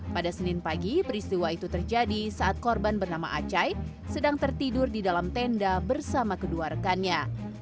pada senin pagi peristiwa itu terjadi saat korban bernama acai sedang tertidur di dalam tenda bersama kedua rekannya